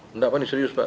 tidak pak ini serius pak